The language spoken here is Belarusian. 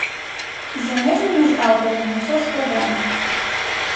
З замежнымі ж аўтарамі ўсё складаней.